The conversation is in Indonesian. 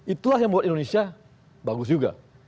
itulah yang buat indonesia bagus juga